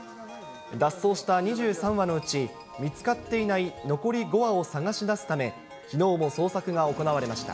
脱走した２３羽のうち、見つかっていない残り５羽を捜し出すため、きのうも捜索が行われました。